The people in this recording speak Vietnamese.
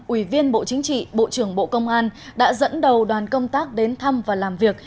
ủy viên bộ chính trị bộ trưởng bộ công an đã dẫn đầu đoàn công tác đến thăm và làm việc